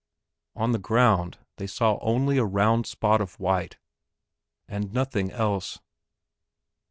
On the ground they saw only a round spot of white and nothing else.